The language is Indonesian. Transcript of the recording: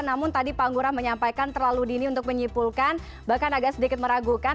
namun tadi pak ngurah menyampaikan terlalu dini untuk menyimpulkan bahkan agak sedikit meragukan